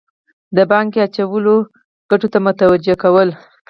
د پانګې اچولو ګټو ته متوجه کول.